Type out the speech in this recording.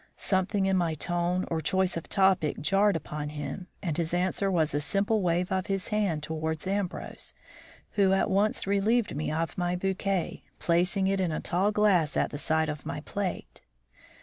Something in my tone or choice of topic jarred upon him, and his answer was a simple wave of his hand towards Ambrose, who at once relieved me of my bouquet, placing it in a tall glass at the side of my plate.